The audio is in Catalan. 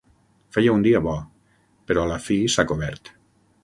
Feia un dia bo, però a la fi s'ha cobert.